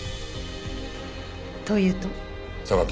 というと？